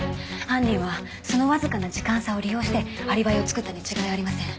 犯人はそのわずかな時間差を利用してアリバイを作ったに違いありません。